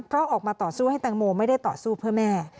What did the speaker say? เพราะออกมาต่อสู้ให้แตงโมไม่ได้ต่อสู้เพื่อแม่